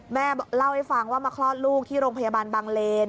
แม่เล่าให้ฟังว่ามาคลอดลูกที่โรงพยาบาลบางเลน